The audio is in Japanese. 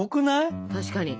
確かに。